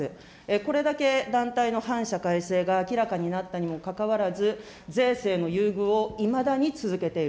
これだけ団体の反社会性が明らかになったにもかかわらず、税制の優遇をいまだに続けている。